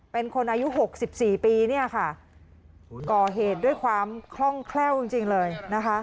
เป็นคนอายุหกสิบสี่ปีเนี่ยค่ะก่อเหตุด้วยความคล่องแคล่วจริงเลยนะคะ